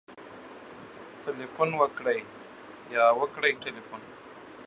.وکړئ تلیفون